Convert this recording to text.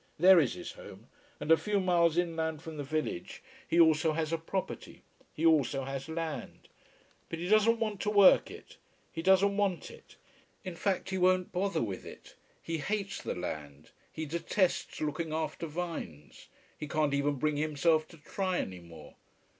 There is his home. And a few miles inland from the village he also has a property: he also has land. But he doesn't want to work it. He doesn't want it. In fact he won't bother with it. He hates the land, he detests looking after vines. He can't even bring himself to try any more.